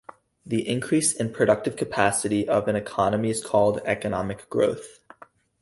The increase in productive capacity of an economy is called economic growth.